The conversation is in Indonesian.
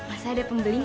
masa ada pembeli gak